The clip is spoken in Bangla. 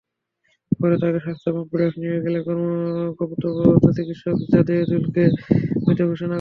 পরে তাঁকে স্বাস্থ্য কমপ্লেক্সে নিয়ে গেলে কর্তব্যরত চিকিৎসক জায়েদুলকে মৃত ঘোষণা করেন।